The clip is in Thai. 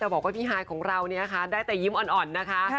แต่บอกว่าพี่ฮายของเราเนี่ยค่ะได้แต่ยิ้มอ่อนนะคะ